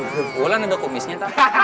gula nunda kumisnya